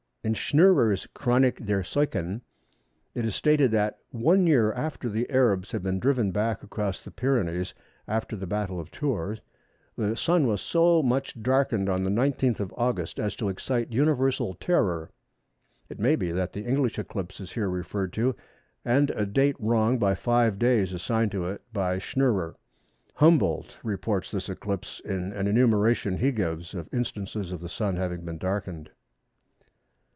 In Schnurrer's Chronik der Seuchen (pt. i., § 113, p. 164), it is stated that, "One year after the Arabs had been driven back across the Pyrenees after the battle of Tours, the Sun was so much darkened on the 19th of August as to excite universal terror." It may be that the English eclipse is here referred to, and a date wrong by five days assigned to it by Schnurrer. Humboldt (Cosmos, vol. iv. p. 384, Bohn's ed.) reports this eclipse in an enumeration he gives of instances of the Sun having been darkened.